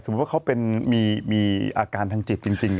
สมมุติว่าเขาเป็นมีอาการทางจิตจริง